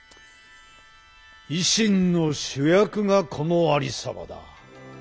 維新の主役がこのありさまだ。